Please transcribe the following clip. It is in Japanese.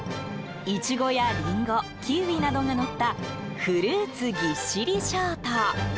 イチゴやリンゴキウイなどが乗ったフルーツぎっしりショート。